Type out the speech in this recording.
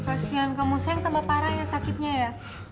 kasian kamu sayang tambah parah ya sakitnya ya